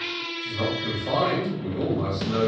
'Tis not confin'd, we all must know.